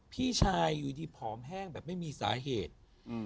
พี่ชายอยู่ดีผอมแห้งแบบไม่มีสาเหตุอืม